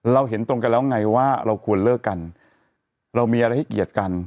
เห็นตรงกันแล้วไงว่าเราควรเลิกกันเรามีอะไรให้เกียรติกัน